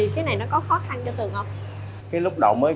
thì cái này nó có khó khăn cho tường không